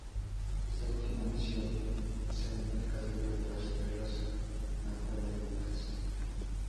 Esta última acción se enmarca dentro de las guerras napoleónicas.